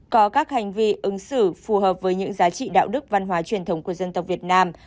có các hành vi ứng xử phù hợp với những giá trị đạo đức văn hóa truyền thống của dân tộc việt nam